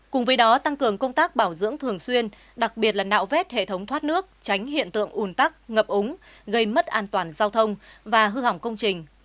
cùng với đó tăng cường công tác bảo dưỡng thường xuyên đặc biệt là nạo vét hệ thống thoát nước tránh hiện tượng ùn tắc ngập úng gây mất an toàn giao thông và hư hỏng công trình